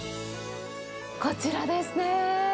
こちらですね。